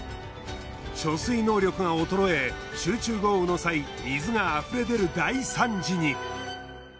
貯水能力が衰え集中豪雨の際水が溢れ出る大惨事に。